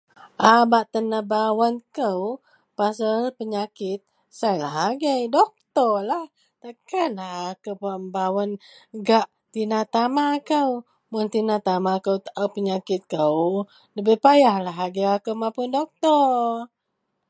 a bak tenabawen kou pasel penyakit sailah agei doctorlah, takanlah akou bak mebawen gak tina tama kou, mun tina tama kou taau penyakit kou, debei payahlah agei akou mapun doktor